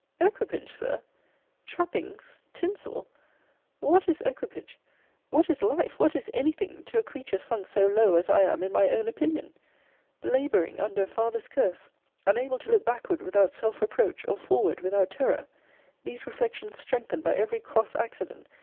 Equipage, Sir! Trappings, tinsel! What is equipage; what is life; what is any thing; to a creature sunk so low as I am in my own opinion! Labouring under a father's curse! Unable to look backward without self reproach, or forward without terror! These reflections strengthened by every cross accident!